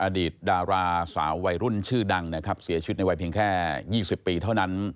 อดีตดาราสาววัยรุ่นชื่อดังนะครับเสียชีวิตในวัยเพียงแค่๒๐ปีเท่านั้น